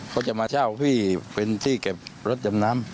เขาจะมาเช่าพี่เป็นที่เก็บรถดำน้ำ